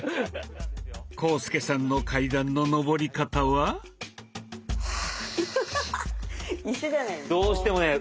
浩介さんの階段の上り方は。